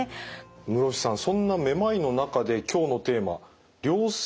室伏さんそんなめまいの中で今日のテーマ良性